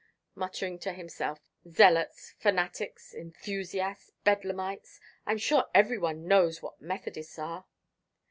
muttering to himself, "zealots fanatics enthusiasts bedlamites! I'm sure everybody knows what Methodists are!"